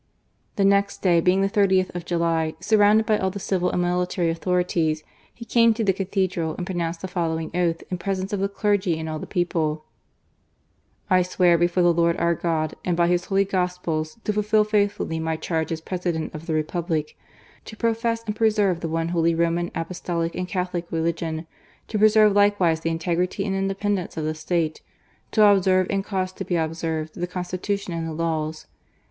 The next day, being the 30th of July, surrounded by all the civil and military authorities, he came to the Cathedral and pronounced the following oath in presence of the clergy and all the people :" I swear before the Lord our God, and by His holy Gospels, to fulfil faithfully my charge as Presi A PRESIDENT IN SPITE OF HIMSELF. 209 dent of the Republic : to profess and preserve the One Holy Roman, Apostolic, and Catholic religion : to preserve likewise the integrity and independence of the State : to observe and cause to be observed the Constitution and the laws.